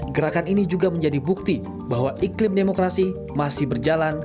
gerakan ini juga menjadi bukti bahwa iklim demokrasi masih berjalan